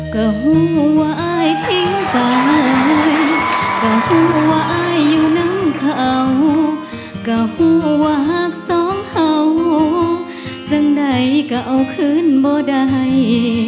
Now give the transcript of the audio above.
กัวว่าอายทิ้งไปกัวว่าอายอยู่นั้นเขากัวว่าหากซ้องเห่าจังได้กัวขึ้นเบาดาย